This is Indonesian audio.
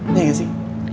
iya gak sih